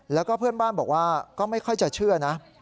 แล้วก็เพื่อนบ้านบอกว่าก็ไม่ค่อยจะเชื่อนะ